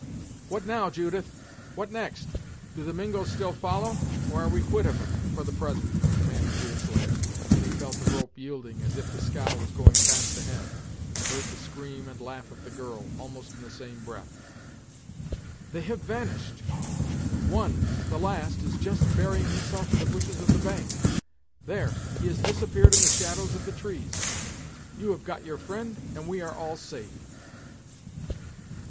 "What now, Judith? What next? Do the Mingos still follow, or are we quit of 'em, for the present," demanded Deerslayer, when he felt the rope yielding as if the scow was going fast ahead, and heard the scream and the laugh of the girl, almost in the same breath. "They have vanished! One the last is just burying himself in the bushes of the bank There, he has disappeared in the shadows of the trees! You have got your friend, and we are all safe!"